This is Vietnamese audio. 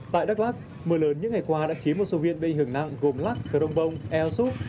tại đắc lắc mưa lớn những ngày qua đã khiến một số huyện bị ảnh hưởng nặng gồm lắc cờ đông bông eo xúc